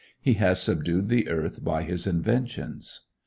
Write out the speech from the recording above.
He has subdued the earth by his inventions.